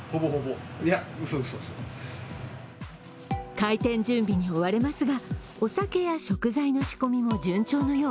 開店準備に追われますがお酒や食材の仕込みも順調のよう。